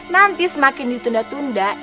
nanti semakin ditunda tunda